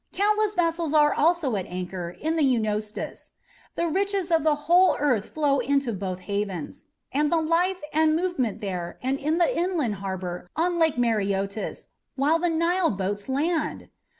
Countless vessels are also at anchor in the Eunostus. The riches of the whole earth flow into both havens. And the life and movement there and in the inland harbour on Lake Mareotis, where the Nile boats land!